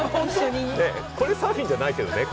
これサーフィンじゃないですけどね。